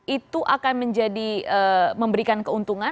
itu akan menjadi memberikan keuntungan